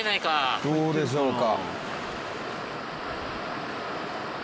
どうでしょうか。